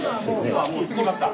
今もう過ぎました。